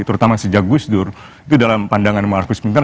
terutama sejak gus dur itu dalam pandangan marcus pintar